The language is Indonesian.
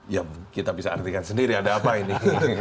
yang kita bisa artikan sendiri ada apa ini